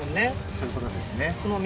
そういうことですね